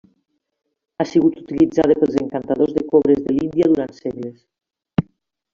Ha sigut utilitzada pels encantadors de cobres de l'Índia durant segles.